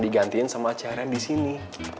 digantiin sama carian disini